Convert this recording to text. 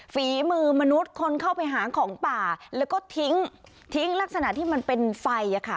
ฝีมือมนุษย์คนเข้าไปหาของป่าแล้วก็ทิ้งทิ้งลักษณะที่มันเป็นไฟอะค่ะ